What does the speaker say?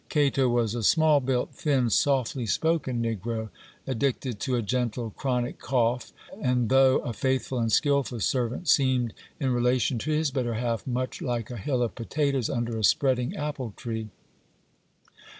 Cato was a small built, thin, softly spoken negro, addicted to a gentle chronic cough; and, though a faithful and skilful servant, seemed, in relation to his better half, much like a hill of potatoes under a spreading apple tree.